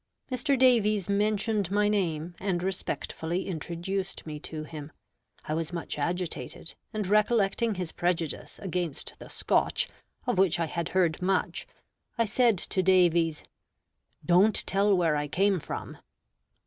Mr. Davies mentioned my name, and respectfully introduced me to him. I was much agitated, and recollecting his prejudice against the Scotch, of which I had heard much, I said to Davies, "Don't tell where I came from."